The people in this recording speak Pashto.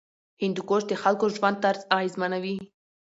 هندوکش د خلکو ژوند طرز اغېزمنوي.